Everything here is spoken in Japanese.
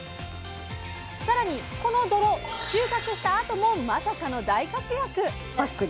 さらにこの泥収穫したあともまさかの大活躍！